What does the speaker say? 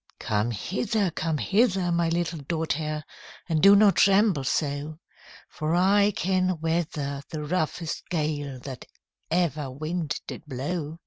'Come hither! come hither! my little daughtèr. And do not tremble so; For I can weather the roughest gale That ever wind did blow.'